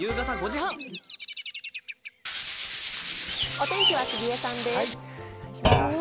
お天気は杉江さんです。